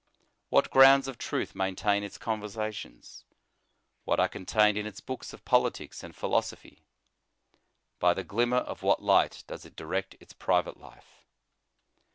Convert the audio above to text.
What grounds of truth maintain its conversations? What are contained in its books of politics and philosophy? By the glimmer of what light does it direct its private life?